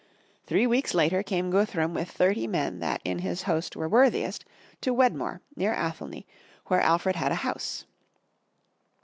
Three weeks later came Guthmm with thirty men that in his host were worthiest, to Wedmore, near Athelney, where Alfred had a house.